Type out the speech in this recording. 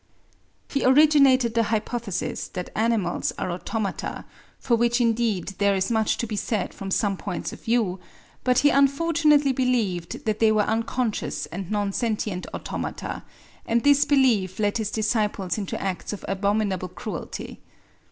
He originated the hypothesis that animals are automata, for which indeed there is much to be said from some points of view; but he unfortunately believed that they were unconscious and non sentient automata, and this belief led his disciples into acts of abominable cruelty.